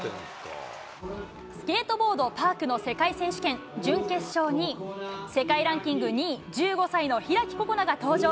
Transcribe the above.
スケートボードパークの世界選手権準決勝に世界ランキング２位、１５歳の開心那が登場。